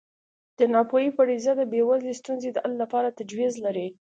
د ناپوهۍ فرضیه د بېوزلۍ ستونزې د حل لپاره تجویز لري.